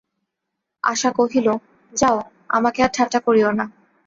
আশা কহিল, যাও, আমাকে আর ঠাট্টা করিয়ো না।